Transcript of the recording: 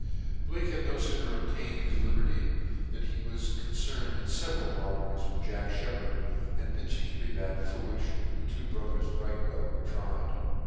Blake had no fooner obtained his liberty than he was concerned in feveral robberies with Jack Shcppard, and particularly that for which the two brothers, Brightwell, were tried.